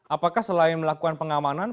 apakah selain melakukan pengamanan